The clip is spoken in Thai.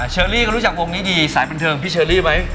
เชอรี่ก็รู้จักวงนี้ดีสายบันเทิงพี่เชอรี่ไหม